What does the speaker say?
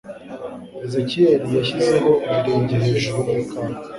Ezakiyeri yashyize ibirenge hejuru yikawa.